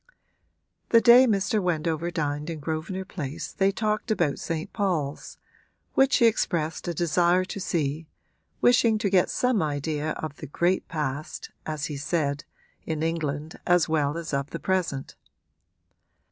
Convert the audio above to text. The day Mr. Wendover dined in Grosvenor Place they talked about St. Paul's, which he expressed a desire to see, wishing to get some idea of the great past, as he said, in England as well as of the present.